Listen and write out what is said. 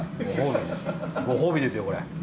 ご褒美ですよ、これ。